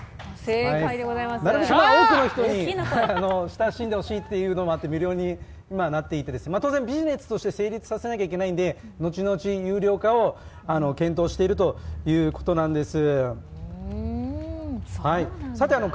なるべく多くの人に親しんでほしいというのがあって、無料に今はなっていて、当然ビジネスとして成立しないといけないので後々有料化を検討しているということなんです。